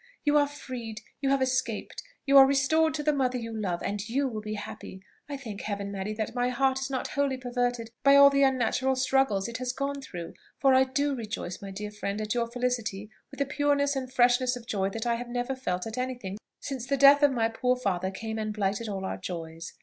You are freed you have escaped, you are restored to the mother you love, and you will be happy! I thank Heaven, Mary, that my heart is not wholly perverted by all the unnatural struggles it has gone through; for I do rejoice, my dear friend, at your felicity with a pureness and freshness of joy that I have never felt at any thing since the death of my poor father came and blighted all our joys.